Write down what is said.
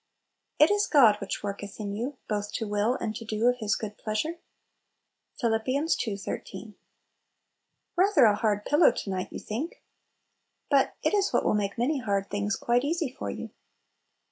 "It is God which worketh in yon, both to will and to do of His good pleasure." — Phil. ii. 13. RATHER a hard "pillow" to night, you think! But it is what will make many hard things quite easy for you.